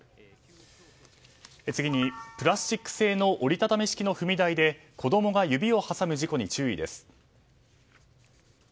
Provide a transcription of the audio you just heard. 次に、プラスチック製の折り畳み式の踏み台で子供が指を挟む事故に注意です。